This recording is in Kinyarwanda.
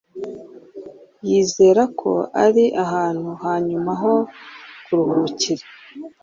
Yizera ko ari ahantu ha nyuma ho kuruhukira